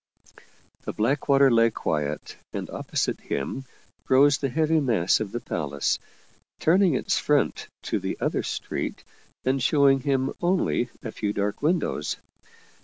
The black water lay quiet, and opposite him rose the heavy mass of the palace, turning its front to the other street and show ing him only a few dark windows.